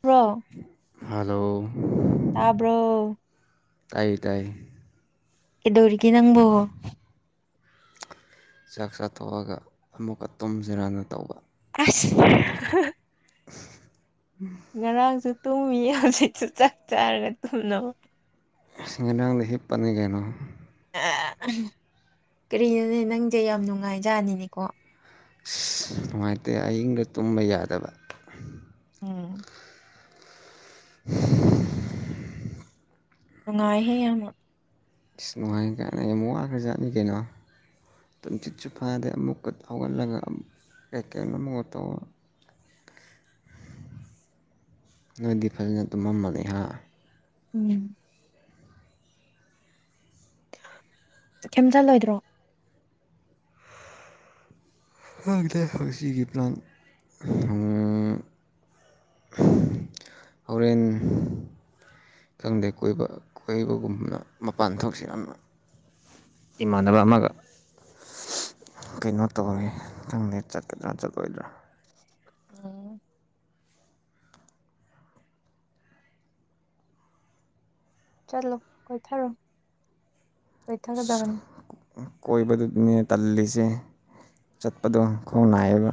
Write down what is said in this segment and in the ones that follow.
pro hello ꯇꯥꯕ꯭ꯔꯣ ꯇꯥꯏ ꯇꯥꯏ ꯀꯗꯧꯔꯒ ꯅꯪꯕꯣꯣ ꯆꯥꯛ ꯆꯥꯊꯣꯛꯑꯒ ꯑꯃꯨꯛꯀ ꯇꯨꯝꯁꯤꯔꯅ ꯇꯧꯕ ꯑꯁ [inaudible] ꯉꯔꯥꯡꯁꯨ ꯇꯨꯝꯃꯤ ꯍꯧꯖꯤꯛꯁꯨ ꯆꯥꯛ ꯆꯥꯔꯒ ꯇꯨꯝꯅꯕ ꯁꯤꯡꯔꯥꯡꯗꯒꯤꯁꯤ ꯄꯅꯤꯡ ꯀꯩꯅꯣ ꯀꯔꯤꯅꯣꯅꯦ ꯅꯪꯁꯦ ꯌꯥꯝ ꯅꯨꯡꯉꯥꯏꯖꯥꯅꯤꯅꯦꯀꯣ ꯑ ꯅꯨꯡꯉꯥꯏꯇꯦ ꯑꯌꯤꯡꯗ ꯇꯨꯝꯕ ꯌꯥꯗꯕ ꯎꯝ [inaudible] ꯅꯨꯡꯉꯥꯏꯍꯦ ꯌꯥꯝ ꯑꯃ ꯏꯁ ꯅꯨꯡꯉꯥꯏ ꯀꯥꯏꯅ ꯌꯝ ꯋꯥꯒ꯭ꯔ ꯖꯥꯠꯅꯤ ꯀꯩꯅꯣ ꯇꯨꯝꯁꯥꯠꯁꯨ ꯐꯗꯦ ꯑꯃꯨꯛꯀ ꯍꯧꯒꯠꯂꯒ ꯑꯃꯨꯛ ꯀꯩ ꯀꯩꯅꯣ ꯑꯃ ꯇꯧꯋꯦ [inaudible] ꯅꯣꯏꯗꯤ ꯐꯥꯖꯅ ꯇꯨꯝꯃꯝ ꯃꯅꯤ ꯍꯥ ꯎꯝ ꯇꯨ ꯈꯦꯝꯖꯜꯂꯣꯏꯗ꯭ꯔꯣ ꯈꯪꯗꯦ ꯍꯧꯁꯤꯒꯤ ꯄ꯭ꯂꯥꯟ ꯎꯝ ꯍꯣꯔꯦꯟ ꯈꯪꯗꯦ ꯀꯣꯏꯕ ꯀꯣꯏꯕꯒꯨꯝꯅ ꯃꯄꯥꯟ ꯊꯣꯛꯁꯤ ꯑꯝꯅ ꯏꯃꯥꯟꯅꯕ ꯑꯃꯒ ꯀꯩꯅꯣ ꯇꯧꯋꯦ ꯈꯪꯗꯦ ꯆꯠꯀꯗ꯭ꯔꯥ ꯆꯠꯂꯣꯏꯗ꯭ꯔꯥ ꯎꯝ ꯆꯠꯂꯣ ꯀꯣꯏ ꯊꯔꯣ ꯀꯣꯏꯊ ꯀꯗꯕꯅꯤ ꯀꯣꯏꯕꯗꯨꯅꯦ ꯇꯜꯂꯤꯁꯦ ꯆꯠꯄꯗꯣ ꯈꯣꯡꯅꯥꯏꯌꯦꯕ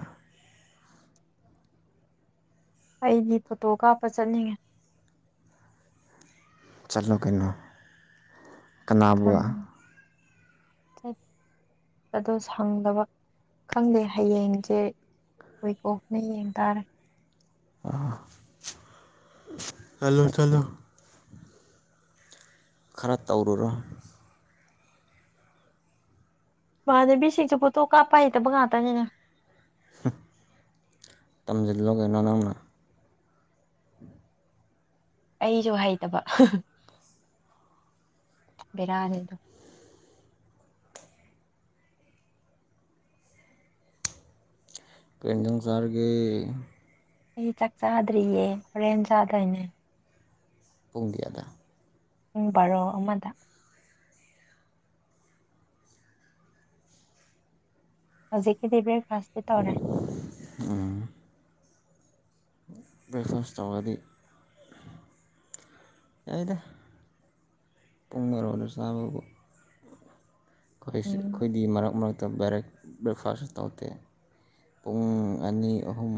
ꯑꯩꯗꯤ ꯐꯣꯇꯣ ꯀꯥꯞꯄ ꯆꯠꯅꯤꯡꯉꯦ ꯆꯥꯂꯣ ꯀꯩꯅꯣ ꯀꯥꯅꯕꯨꯑꯥ ꯊꯠ ꯑꯗꯣ ꯁꯪꯗꯕ ꯈꯪꯗꯦ ꯍꯌꯦꯡꯁꯦ ꯀꯩ ꯊꯣꯛꯄꯅꯣ ꯌꯦꯡ ꯇꯥꯔꯦ ꯑ ꯆꯠꯂꯣ ꯆꯠꯂꯣ ꯈꯔ ꯇꯧꯔꯨꯔꯣ ꯏꯃꯥꯟꯅꯕꯤꯁꯤꯡꯁꯨ ꯐꯣꯠꯇꯣ ꯀꯥꯞꯄ ꯍꯩꯇꯕ ꯉꯥꯛꯇꯅꯤꯅꯦ ꯍꯝ ꯇꯝꯖꯜꯂꯣ ꯀꯩꯅꯣ ꯅꯪꯅ ꯑꯩꯁꯨ ꯍꯩꯇꯕ ꯍꯝ ꯍꯝ ꯕꯦꯔꯅꯦꯗ ꯀꯩ ꯏꯟꯖꯥꯡ ꯆꯔꯒꯦ ꯑꯩ ꯆꯥꯛ ꯆꯥꯗ꯭ꯔꯤꯌꯦ ꯍꯣꯔꯦꯟ ꯆꯥꯗꯣꯏꯅꯦ ꯄꯨꯡ ꯀꯌꯥꯗ ꯄꯨꯡ ꯕꯥꯔꯣ ꯑꯃꯗ ꯍꯧꯖꯤꯛꯀꯤꯗꯤ ꯕ꯭ꯔꯦꯛ ꯐꯥꯁꯇꯤ ꯇꯧꯔꯦ ꯕ꯭ꯦꯔꯛ ꯐꯥꯁ ꯇꯧꯔꯗꯤ ꯌꯥꯏꯗ ꯄꯨꯡ ꯕꯥꯔꯣꯗ ꯆꯕꯕꯨ ꯑꯩꯈꯣꯏꯁꯤ ꯎꯝ ꯑꯩꯈꯣꯏꯗꯤ ꯃꯔꯛ ꯃꯔꯛꯇ ꯕꯦꯔꯦꯛ ꯕ꯭ꯔꯦꯛ ꯐꯥꯁꯁꯨ ꯇꯧꯗꯦ ꯄꯨꯡ ꯑꯅꯤ ꯑꯍꯨꯝ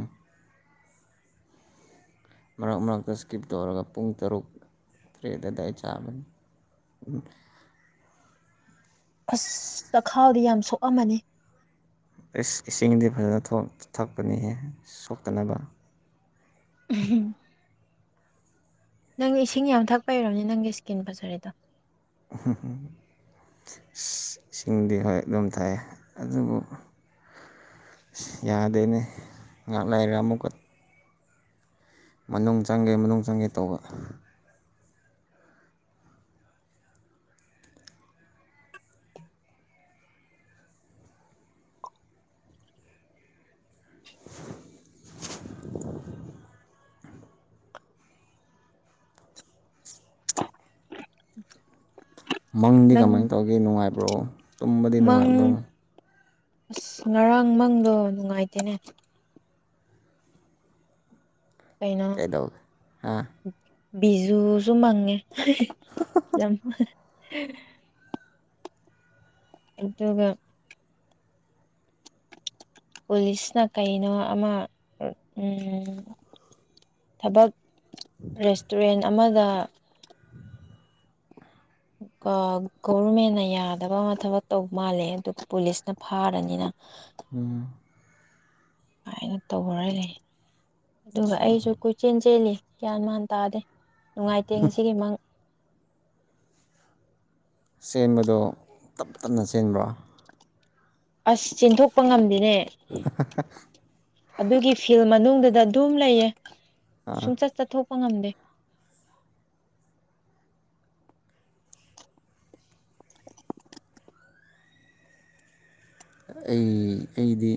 ꯃꯔꯛ ꯃꯔꯛꯇ ꯁ꯭ꯀꯤꯞ ꯇꯧꯔꯒ ꯄꯨꯡ ꯇꯔꯨꯛ ꯇꯔꯦꯠ ꯑꯗꯥꯏ ꯆꯥꯕꯅꯤ ꯎꯝ ꯑꯁ ꯆꯈꯥꯎꯗꯤ ꯌꯥꯝ ꯁꯣꯛꯑꯝꯃꯅꯤ ꯑꯦꯁ ꯏꯁꯤꯡꯗꯤ ꯐꯖꯅ ꯊꯣꯛ ꯊꯛꯄꯅꯤꯍꯦ ꯁꯣꯛꯇꯅꯕ ꯎꯝꯍꯝ ꯅꯪ ꯏꯁꯤꯡ ꯌꯥꯝ ꯊꯛꯄꯩ ꯑꯣꯏꯔꯝꯕꯅꯤ ꯅꯪꯒꯤ ꯁ꯭ꯀꯤꯟ ꯐꯖꯔꯤꯗꯣ ꯎꯝ ꯍꯝ ꯍꯝ ꯏꯁꯤꯡꯗꯤ ꯍꯣꯏ ꯑꯗꯨꯝ ꯊꯛꯑꯦ ꯑꯗꯨꯕꯨ ꯌꯥꯗꯦꯅꯦ ꯉꯍꯥꯛ ꯂꯩꯔꯒ ꯑꯃꯨꯛꯀ ꯃꯅꯨꯡ ꯆꯪꯒꯦ ꯃꯅꯨꯡ ꯆꯪꯒꯦ ꯇꯧꯕ [inaudible] ꯃꯪꯗꯤ ꯅꯪ ꯀꯃꯥꯏꯅ ꯇꯧꯒꯦ ꯅꯨꯡꯉꯥꯏꯕ꯭ꯔꯣ ꯇꯨꯝꯕꯗꯤ ꯃꯪ ꯅꯨꯡꯉꯥꯏꯕ꯭ꯔꯣ ꯑꯁ ꯉꯔꯥꯡ ꯃꯪꯗꯣ ꯅꯨꯡꯉꯥꯏꯇꯦꯅꯦ ꯀꯩꯅꯣ ꯀꯩꯗꯧꯒꯦ ꯍꯥ ꯕꯤꯖꯨꯁꯨ ꯃꯪꯉꯦ ꯌꯥꯝ ꯑꯗꯨꯒ ꯄꯨꯂꯤꯁꯅ ꯀꯩꯅꯣ ꯑꯃ ꯑꯥ ꯎꯝ ꯊꯕꯛ ꯔꯦꯁꯇꯨꯔꯦꯟ ꯑꯃꯗ ꯑꯣ ꯒꯣꯕꯔꯃꯦꯟꯅ ꯌꯥꯗꯕ ꯑꯃ ꯊꯕꯛ ꯇꯧ ꯃꯥꯜꯂꯦ ꯑꯗꯨ ꯄꯨꯂꯤꯁꯅ ꯐꯥꯔꯅꯤꯅ ꯎꯝ ꯍꯥꯏꯅ ꯇꯧꯔꯒ ꯂꯩ ꯑꯗꯨꯒ ꯁꯨ ꯑꯩꯁꯨ ꯀꯣꯏꯆꯦꯟ ꯆꯦꯜꯂꯤ ꯒ꯭ꯌꯥꯟ ꯃꯥꯟ ꯇꯥꯗꯦ ꯅꯨꯡꯉꯥꯏꯇꯦꯡꯁꯤꯒꯤꯃꯛ ꯆꯦꯟꯕꯗꯣ ꯇꯞ ꯇꯞꯅ ꯆꯦꯟꯕ꯭ꯔꯥ ꯑꯁ ꯆꯦꯟꯊꯣꯛꯄ ꯉꯝꯗꯦ [unintelligible] ꯑꯗꯨꯒꯤ ꯐꯤꯜ ꯃꯅꯨꯡꯗꯨꯗ ꯑꯗꯨꯝ ꯂꯩꯌꯦ ꯁꯨꯝꯆꯠ ꯆꯠꯊꯣꯛ ꯐ ꯉꯝꯗꯦ ꯑꯩ ꯑꯩꯗꯤ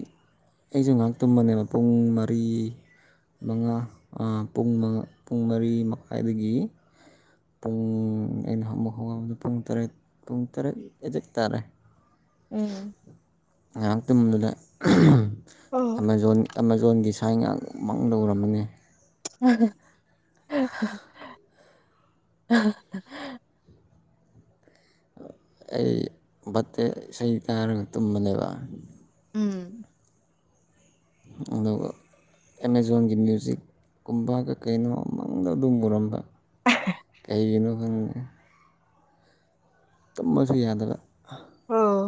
ꯑꯩꯁꯨ ꯉꯥꯏꯍꯥꯛ ꯇꯨꯝꯕꯅꯦꯕ ꯄꯨꯡ ꯃꯔꯤ ꯃꯉꯥ ꯄ ꯄꯨꯡ ꯃꯔꯤ ꯃꯈꯥꯏꯗꯒꯤ ꯄꯨꯡ ꯑꯦꯩꯅꯍ ꯃ ꯍꯣꯡ ꯄꯨꯡ ꯇꯔꯦꯠ ꯄꯨꯡ ꯇꯔꯦꯠ ꯑꯦꯖꯠ ꯇꯥꯦ ꯎꯝ ꯉꯥꯏꯍꯥꯛꯇꯗꯨꯗ ꯑꯦꯃꯥꯖꯣꯟ ꯑꯦꯥꯃꯥꯖꯣꯟꯒꯤ ꯁꯥꯏ ꯉꯍꯥꯛ ꯃꯥꯡꯗ ꯎꯔꯃꯅꯤ [unintelligible] ꯑꯩ ꯕꯥꯔꯗꯦ ꯏꯁꯩ ꯇꯔꯒ ꯇꯨꯝꯕꯅꯦꯕ ꯎꯝ ꯑꯗ ꯑꯦꯃꯦꯥꯖꯣꯟꯒꯤ ꯃ꯭ꯌꯨꯖꯤꯛꯀꯨꯝꯕ ꯀ ꯀꯩꯅꯣ ꯑꯃꯗ ꯑꯗꯨꯝ ꯃꯨꯔꯝꯕ ꯀꯩꯒꯤꯩꯅ ꯐ ꯇꯨꯝꯝꯕꯁꯨ ꯌꯥꯗꯕ ꯑꯥ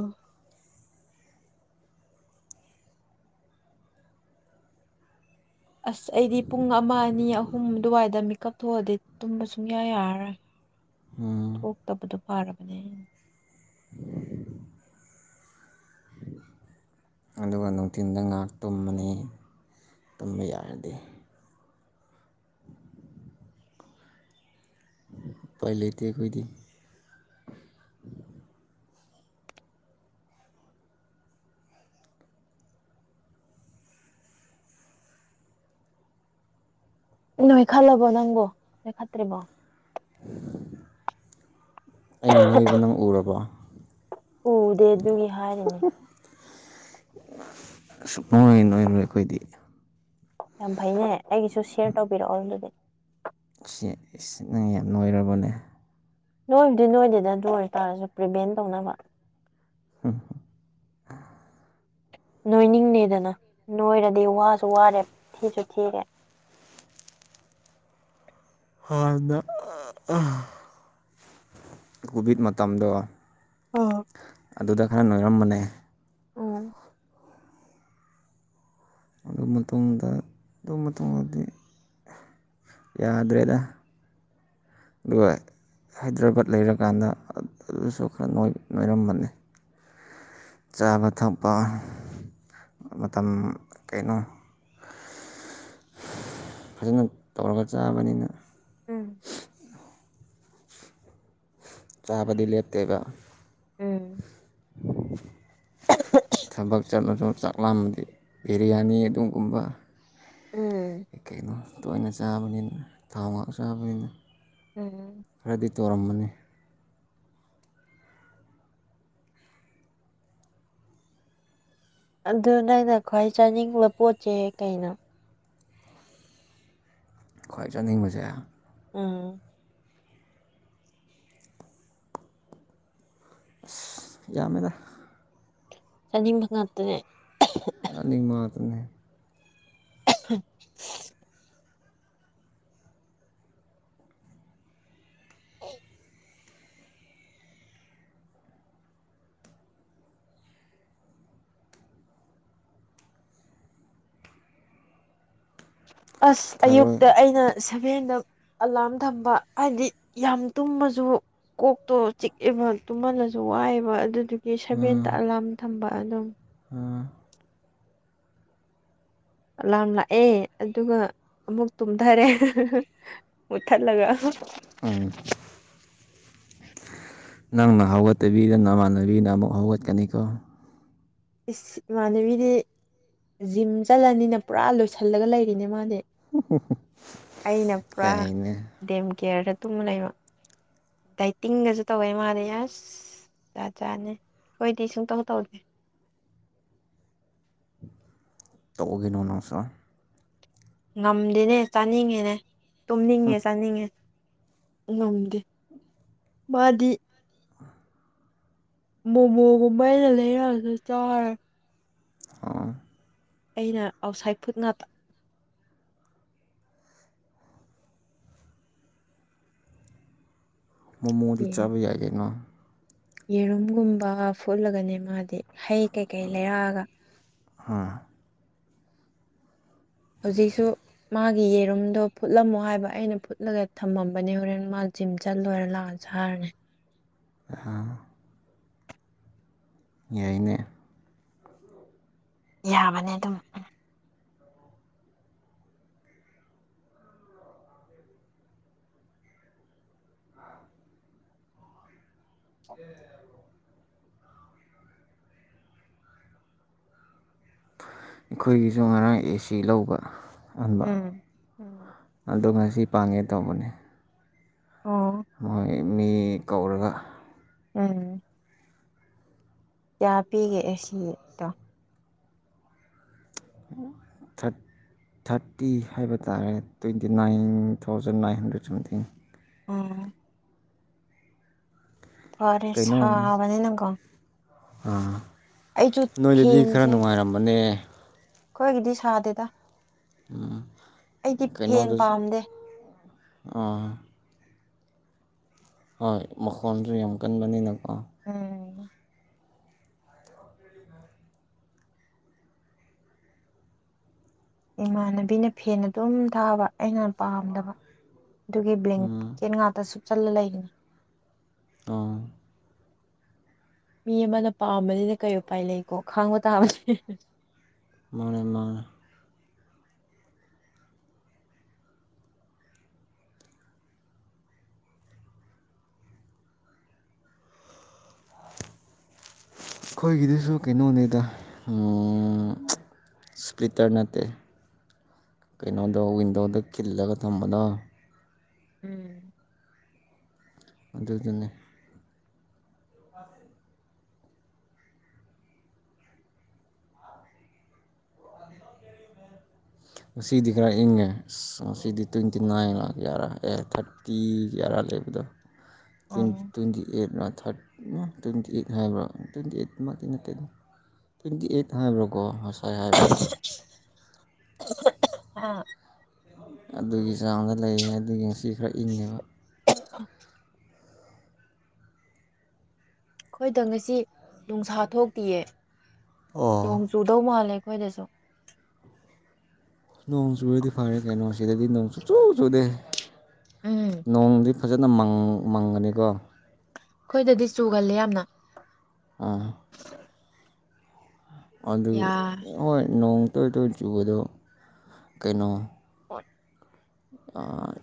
ꯑꯁ ꯑꯩꯗꯤ ꯄꯨꯡ ꯑꯃ ꯑꯅꯤ ꯑꯍꯨꯝ ꯑꯗꯨꯋꯥꯏꯗ ꯃꯤꯀꯞ ꯊꯣꯛꯑꯗꯤ ꯇꯨꯝꯕ ꯁꯨꯡꯌꯥ ꯌꯥꯔꯔꯣꯏ ꯊꯣꯛꯇꯕꯗꯨ ꯐꯥꯔꯕꯅꯦ [inaudible] ꯑꯗꯨꯒ ꯅꯨꯡꯊꯤꯟꯗ ꯉꯥꯏꯍꯥꯛ ꯇꯨꯝꯃꯅꯤ ꯇꯨꯝꯕ ꯌꯥꯔꯗꯤ ꯄꯥꯏ ꯂꯩꯇꯒꯣꯏꯗꯤ ꯅꯣꯏ ꯈꯜꯂꯕꯣ ꯅꯪꯕꯣ ꯅꯣꯏ ꯈꯠꯇ꯭ꯔꯤꯕꯣ [inaudible] ꯑꯩ ꯅꯣꯏꯕ ꯅꯪ ꯎꯔꯕ ꯎꯗꯦ ꯑꯗꯨꯒꯤ ꯍꯥꯏꯔꯤꯅꯦ ꯁꯨꯡꯃꯣꯏꯔꯨ ꯑꯩꯈꯣꯏꯗꯤ ꯌꯥꯝ ꯐꯩꯅꯦ ꯑꯩꯒꯤꯁꯨ ꯁꯤꯦꯌꯔ ꯇꯧꯕꯤꯔꯛꯑꯣ ꯑꯗꯨ ꯑꯗꯨꯗꯤ ꯁꯤ ꯅꯪ ꯌꯥꯝ ꯂꯣꯏꯔꯕꯅꯦ ꯅꯣꯏꯕꯨꯗꯤ ꯅꯣꯏꯗꯤꯗ ꯑꯗꯨ ꯑꯣꯏꯇꯥꯔꯁꯨ ꯄ꯭ꯔꯤꯚꯦꯟ ꯇꯧꯅꯕ ꯍꯣꯏ ꯍꯣ ꯅꯣꯏꯅꯤꯡꯅꯦꯗꯅ ꯅꯣꯏꯔꯗꯤ ꯋꯥꯁꯨ ꯋꯥꯔꯦ ꯊꯤꯁꯨ ꯊꯤꯔꯦ ꯍꯗ ꯀꯣꯚꯤꯠ ꯃꯇꯝ ꯃꯇꯝꯥꯡꯗ ꯑ ꯑꯗꯨꯗ ꯈꯔ ꯅꯣꯏꯔꯝꯕꯅꯦ ꯎ ꯑꯗꯨ ꯃꯇꯨꯡꯗ ꯑꯗꯨ ꯃꯇꯨꯡꯗꯗꯤ ꯌꯥꯗ꯭ꯔꯦꯗ ꯑꯗꯨꯒ ꯍꯥꯏꯗ꯭ꯔꯕꯥꯠ ꯂꯩꯔꯀꯥꯟꯗ ꯑꯗꯨꯁꯨ ꯈꯔ ꯅꯣꯏꯔꯝꯕꯅꯤ ꯆꯥꯕ ꯊꯛꯄ ꯃꯇꯝ ꯀꯩꯅꯣ ꯐꯖꯅ ꯇꯧꯔꯒ ꯆꯥꯕꯅꯤꯅ ꯎꯝ ꯆꯥꯕꯗꯤ ꯂꯦꯞꯇꯦꯕ ꯎꯝ ꯊꯕꯛ ꯆꯠꯂꯁꯨ ꯆꯥꯛꯂꯝꯥꯃꯗꯤ ꯕꯤꯔꯌꯥꯅꯤ ꯑꯗꯨꯒꯨꯝꯕ ꯎꯝ ꯀꯩꯅꯣ ꯇꯣꯏꯅ ꯆꯥꯕꯅꯤꯅ ꯊꯥꯎ ꯉꯥꯛ ꯆꯥꯕꯅꯤꯅ ꯎꯝ ꯈꯔꯗꯤ ꯇꯧꯔꯝꯃꯅꯤ ꯑꯗꯨ ꯅ ꯑꯪꯩꯅ ꯈ꯭ꯋꯥꯏ ꯆꯥꯅꯤꯡꯕ ꯄꯣꯠꯁꯦ ꯀꯩꯅꯣ ꯈ꯭ꯋꯥꯏ ꯆꯥꯅꯤꯡꯕꯁꯦ ꯎꯝ ꯌꯥꯝꯗ ꯆꯅꯤꯡꯕ ꯉꯥꯛꯇꯅꯦꯦ ꯑꯗꯨ [inaudible] ꯑꯁ ꯊꯔꯣꯏ ꯑꯌꯨꯛꯇ ꯑꯩꯅ ꯁꯚꯦꯟꯗ ꯑꯂꯥꯔꯝ ꯊꯝꯕ ꯍꯥꯏꯗꯤ ꯌꯥꯝ ꯇꯨꯝꯃꯁꯨ ꯀꯣꯛꯇꯣ ꯆꯤꯛꯑꯦꯕ ꯇꯨꯝꯍꯜꯂꯁꯨ ꯋꯥꯏꯑꯦꯕ ꯑꯗꯨꯗꯤ ꯗꯦꯠ ꯎꯝ ꯁꯚꯦꯟꯗ ꯑꯂꯥꯝ ꯊꯝꯕ ꯑꯗꯨꯝ ꯎꯝ ꯂꯥꯝ ꯂꯥꯛꯑꯦ ꯑꯗꯨꯒ ꯑꯃꯨꯛ ꯇꯨꯝꯊꯔꯦ ꯃꯨꯠꯊꯠꯂꯒ ꯑ ꯅꯪꯅ ꯍꯧꯒꯠꯇꯕꯤꯗ ꯅꯃꯥꯟꯅꯕꯤꯅ ꯑꯃꯨꯛ ꯍꯧꯒꯠꯀꯅꯤꯀꯣ ꯏꯁ ꯏꯃꯥꯟꯅꯕꯤꯗꯤ ꯖꯤꯝ ꯆꯠꯂꯅꯤꯅ ꯄꯨꯔꯥ ꯂꯣꯏꯁꯤꯜꯂꯒ ꯂꯩꯔꯤꯅꯦ ꯃꯥꯅꯦ ꯑꯩꯅ ꯄꯨꯔꯥ ꯌꯥꯏꯅꯦ ꯗꯦꯝ ꯀꯦꯌꯔꯗ ꯇꯨꯝꯕ ꯂꯩꯕ ꯗꯥꯏꯇꯤꯡꯒꯁꯨ ꯇꯧꯋꯦ ꯃꯥꯂꯦ ꯑꯁ ꯆ ꯆꯥꯅꯤ ꯑꯩꯈꯣꯏꯗꯤ ꯁꯨꯡꯇꯧ ꯇꯧꯒꯦ ꯇꯧꯎꯒꯤꯅꯣ ꯅꯪꯁꯨ ꯉꯝꯗꯦꯅꯦ ꯆꯥꯅꯤꯡꯉꯦꯅꯦ ꯇꯨꯝꯅꯤꯡꯉꯦ ꯆꯥꯅꯤꯡꯉꯦ ꯉꯝꯗꯦ ꯃꯥꯗꯤ ꯃꯣꯃꯣꯒꯨꯝꯕ ꯑꯩꯅ ꯂꯩꯔꯛꯑꯁꯨ ꯆꯥꯔꯦ ꯑ ꯑꯩꯅ ꯑꯥꯎꯠꯁꯥꯏꯠ ꯐꯨꯠ ꯉꯥꯛꯇ ꯃꯣꯃꯣꯗꯤ ꯆꯥꯕ ꯌꯥꯏꯗꯩꯅꯣ ꯌꯦꯔꯨꯝꯒꯨꯝꯕ ꯐꯨꯠꯂꯒꯅꯦ ꯃꯥꯗꯤ ꯍꯩ ꯀꯩꯀꯩ ꯂꯩꯔꯛꯑꯒ ꯍꯥꯥ ꯍꯧꯖꯤꯛꯁꯨ ꯃꯥꯒꯤ ꯌꯦꯔꯨꯝꯗꯣ ꯐꯨꯠꯂꯝꯃꯣ ꯍꯥꯏꯕ ꯑꯩꯅ ꯐꯨꯠꯂꯒ ꯊꯝꯃꯝꯕꯅꯦ ꯍꯣꯔꯦꯟ ꯃꯥ ꯖꯤꯝ ꯆꯠ ꯂꯣꯏꯔ ꯂꯥꯛꯑꯁꯦ ꯍꯥꯏꯔꯅꯤ ꯑ ꯌꯥꯏꯅꯦ ꯌꯥꯕꯅꯦ ꯑꯗꯨꯝ [inaudible] ꯑꯩꯈꯣꯏꯒꯤꯁꯨ ꯉꯔꯥꯡ ꯑꯦꯁꯤ ꯂꯧꯕ ꯍꯟꯕ ꯎꯝ ꯎꯝ ꯑꯗꯨꯒ ꯁꯤ ꯄꯥꯡꯉꯦ ꯇꯧꯕꯅꯦ ꯑꯣ ꯃꯣꯏ ꯃꯤ ꯀꯧꯔꯒ ꯎꯝ ꯀꯌꯥ ꯄꯤꯒꯦꯦ ꯁꯤꯗꯣ ꯊꯠ ꯊꯥꯔꯇꯤ ꯍꯥꯏꯕ ꯇꯥꯔꯦ twenty nine thousand nine hundred something ꯑꯣ ꯐꯔꯦꯁ ꯍꯕꯅꯤ ꯅ ꯀꯣ ꯑ ꯅꯣꯏꯗꯗꯤ ꯈꯔ ꯅꯨꯡꯉꯥꯏꯔꯝꯕꯅꯦ ꯀꯣꯏꯒꯤꯗꯤ ꯁꯥꯗꯦꯗ ꯎꯝ ꯑꯩꯗꯤ ꯐꯦꯟ ꯄꯥꯝꯗꯦ ꯑ ꯍꯣꯏ ꯃꯈꯣꯟꯁꯨ ꯌꯥꯝ ꯀꯟꯕꯅꯤꯅꯀꯣ ꯎꯝ ꯏꯃꯥꯟꯅꯕꯤꯅ ꯐꯦꯟ ꯑꯗꯨꯝ ꯊꯥꯕ ꯑꯩꯅ ꯄꯥꯝꯗꯕ ꯑꯗꯨꯒꯤ ꯕ꯭ꯂꯤꯡ ꯎꯝ ꯀꯦꯟ ꯉꯥꯇ ꯁꯨꯞꯆꯜꯂ ꯂꯩꯒꯅꯤ ꯑ ꯃꯤ ꯑꯃꯅ ꯄꯥꯝꯕꯅꯤꯅ ꯀꯔꯤ ꯎꯄꯥꯏ ꯂꯩꯀꯣ ꯈꯥꯡꯕ ꯇꯥꯕꯅꯦ ꯃꯣꯔꯦ ꯃꯥ ꯑꯩꯈꯣꯏꯒꯤꯗꯨꯁꯨ ꯀꯩꯅꯣꯅꯤꯗ ꯏꯁꯄꯤ꯭ꯔꯤꯇꯥꯔ ꯅꯠꯇ ꯀꯩꯅꯣꯗ ꯋꯤꯟꯗꯣꯗ ꯈꯤꯜꯂꯒ ꯊꯝꯕꯗꯣ ꯎꯝ ꯑꯗꯨꯗꯨꯅꯤ [inaudible] ꯁꯤꯗꯤ ꯈꯔ ꯏꯪꯉꯦ ꯑꯁ ꯁꯤꯗꯤ ꯇ꯭ꯋꯦꯟꯇꯤ ꯅꯥꯏꯟ ꯂꯥꯛ ꯌꯥꯔꯥ ꯑꯦ ꯊꯥꯔꯇꯤ ꯇꯔꯥ ꯂꯩꯕꯗꯣ ꯇ ꯑꯣ ꯇ꯭ꯋꯦꯟꯇꯤ ꯑꯩꯠꯅ ꯊꯥꯔꯠ ꯇ꯭ꯋꯦꯟꯇꯤ ꯑꯩꯠ ꯍꯥꯏꯕ꯭ꯔꯥ ꯇ꯭ꯋꯦꯟꯇꯤ ꯑꯩꯠꯇꯃꯛꯇꯀꯤ ꯅꯠꯇꯦ ꯇ꯭ꯋꯦꯟꯇꯤ ꯑꯦꯠ ꯍꯋꯕ ꯔꯣꯀꯣ ꯍꯁꯥꯏ ꯍꯕꯗ ꯑꯥ ꯑꯗꯨꯒꯤ ꯆꯥꯡꯗ ꯂꯩꯌꯦ ꯑꯗꯨꯒꯤ ꯉꯁꯤ ꯈꯔ ꯏꯪꯉꯦꯕ ꯑꯩꯈꯣꯏꯗ ꯉꯁꯤ ꯅꯨꯡꯁꯥ ꯊꯣꯛꯇꯤꯌꯦ ꯅꯣꯡ ꯑꯣ ꯆꯨꯗꯧ ꯃꯥꯜꯂꯦ ꯀꯣꯏꯗꯁꯣ ꯅꯣꯡ ꯆꯨꯔꯗꯤ ꯐꯔꯦ ꯀꯩꯅꯣ ꯁꯤꯗꯗꯤ ꯅꯣꯡ ꯆꯨ ꯆꯨ ꯆꯨꯗꯦ ꯎꯝ ꯅꯣꯡꯗꯤ ꯐꯖꯅ ꯃꯪꯒꯅꯤꯀꯣ ꯑꯩꯈꯣꯏꯗꯗꯤ ꯆꯨꯒꯜꯂꯦ ꯌꯥꯝꯅ ꯑꯥ ꯑꯗꯨ ꯌꯥ ꯍꯣꯏꯣꯏ ꯅꯣꯡ ꯇꯣꯏ ꯇꯣꯏ ꯆꯨꯕꯗꯣ ꯀꯩꯅꯣ ꯍꯣꯏ ꯑ